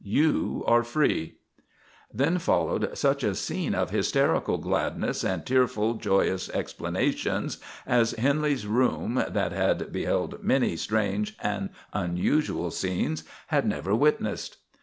You are free." Then followed such a scene of hysterical gladness and tearful, joyous explanations as Henley's room, that had beheld many strange and unusual scenes, had never witnessed.